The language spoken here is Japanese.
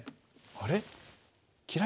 あれ？